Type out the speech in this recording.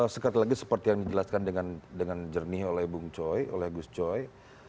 sekali lagi seperti yang dijelaskan dengan jernih oleh bung coy oleh gus coy